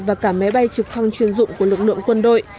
và cả máy bay trực thăng chuyên dụng của lực lượng quân đội